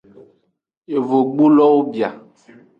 Yovogbulowo bia.